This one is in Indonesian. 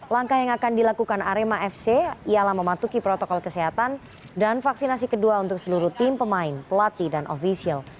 langkah yang akan dilakukan arema fc ialah mematuhi protokol kesehatan dan vaksinasi kedua untuk seluruh tim pemain pelatih dan ofisial